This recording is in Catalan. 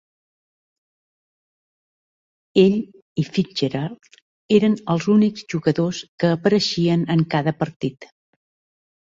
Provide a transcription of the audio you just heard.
Ell i Fitzgerald eren els únics jugadors que apareixien en cada partit.